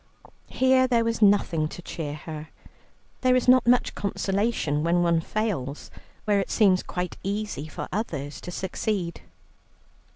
Here there was nothing to cheer her; there is not much consolation when one fails where it seems quite easy for others to succeed.